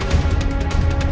ya udah aku nelfon